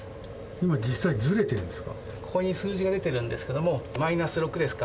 今、実際、ずれてるんですか？